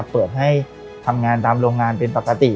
เปิดให้ทำงานตามโรงงานเป็นปกติ